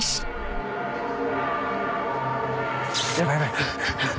ヤバいヤバい。